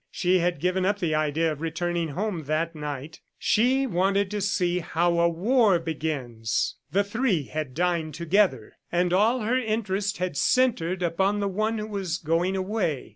She had given up the idea of returning home that night; she wanted to see how a war begins. The three had dined together, and all her interest had centred upon the one who was going away.